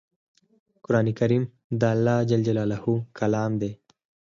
قرآن کریم د الله ج کلام دی